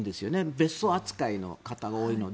別荘扱いの方が多いので